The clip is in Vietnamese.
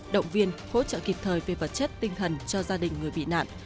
động viên hỗ trợ kịp thời về vật chất tinh thần cho gia đình người bị nạn